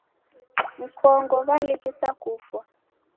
Mkongo w'alighisa kufwa